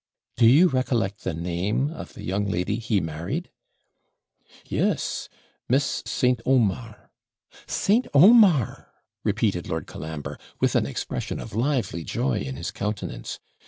'Do you recollect the name of the young lady he married?' 'Yes Miss St. Omar.' 'St. Omar!' repeated Lord Colambre, with an expression of lively joy in his countenance.